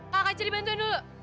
kakak cari bantuan dulu